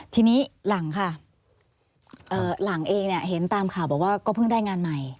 ทีนี้หลังค่ะหลังเองเนี่ยเห็นตามข่าวบอกว่าก็เพิ่งได้งานใหม่